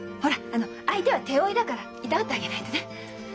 あの相手は手負いだからいたわってあげないとね。